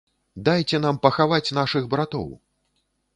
Дайце нам пахаваць нашых братоў!